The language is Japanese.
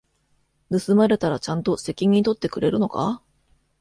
盗まれたらちゃんと責任取ってくれるのか？